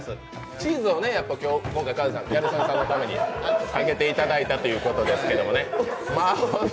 チーズを今日はギャル曽根さんのためにかけていただいたということでね。